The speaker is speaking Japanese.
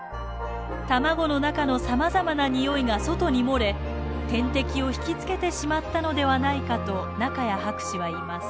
卵の中のさまざま匂いが外に漏れ天敵を引き付けてしまったのではないかと仲谷博士はいいます。